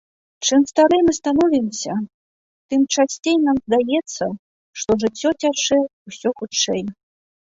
Чым старэй мы становімся, тым часцей нам здаецца, што жыццё цячэ ўсё хутчэй.